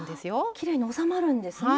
きれいに収まるんですね。